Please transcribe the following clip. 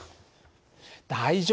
大丈夫。